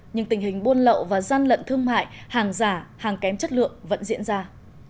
nhưng tình hình buôn lậu và gian lận thương mại hàng giả hàng kém chất lượng vẫn diễn ra